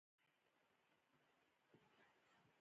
ایا زما خوب به ښه شي؟